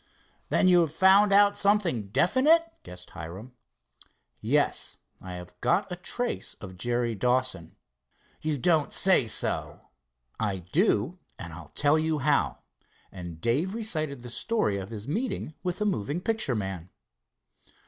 "Then you've found out something definite?" guessed Hiram. "Yes, I have got a trace of Jerry Dawson." "You don't say so!" "I do, and I'll tell you how," and Dave recited the story of his meeting with the moving picture man.